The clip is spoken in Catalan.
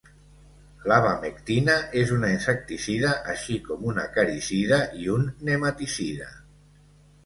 L'abamectina és un insecticida, així com un acaricida i un nematicida.